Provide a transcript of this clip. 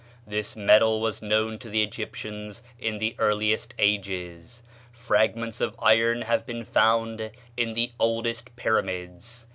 This metal was known to the Egyptians in the earliest ages; fragments of iron have been found in the oldest pyramids.